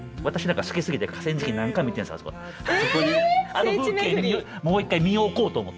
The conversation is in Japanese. あの風景にもう一回身を置こうと思って。